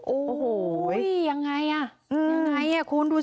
โอ้โหยังไงอ่ะยังไงอ่ะคุณดูสิ